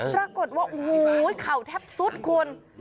ปรากฏว่าโอ้โหเข่าแทบสุดคุณ